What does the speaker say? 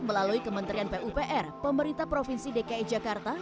melalui kementerian pupr pemerintah provinsi dki jakarta